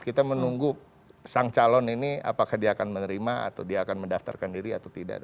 kita menunggu sang calon ini apakah dia akan menerima atau dia akan mendaftarkan diri atau tidak